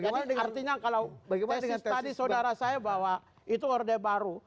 jadi artinya kalau tesis tadi saudara saya bahwa itu order baru